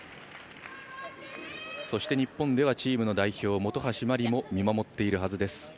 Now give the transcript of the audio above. そして日本ではチームの代表本橋麻里も見守っているはずです。